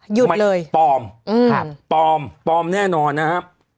หยุดเลยปลอมปลอมแน่นอนนะครับ